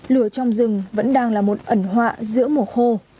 lửa trong rừng vẫn đang là một ẩn họa giữa mùa khô